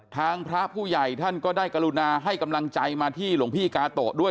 ทางพระผู้ใหญ่ท่านก็ได้กรุณาให้กำลังใจมาที่หลวงพี่กาโตะด้วย